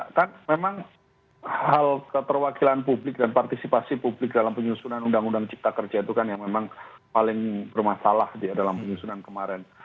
ya kan memang hal keterwakilan publik dan partisipasi publik dalam penyusunan undang undang cipta kerja itu kan yang memang paling bermasalah dalam penyusunan kemarin